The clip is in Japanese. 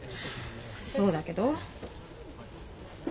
そうだけど。